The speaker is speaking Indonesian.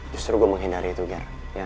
justru gue menghindari itu ger